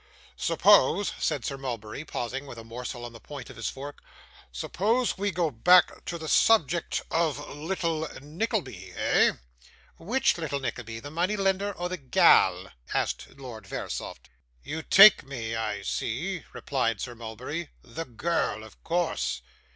'Suppose,' said Sir Mulberry, pausing with a morsel on the point of his fork, 'suppose we go back to the subject of little Nickleby, eh?' 'Which little Nickleby; the money lender or the ga a l?' asked Lord Verisopht. 'You take me, I see,' replied Sir Mulberry. 'The girl, of course.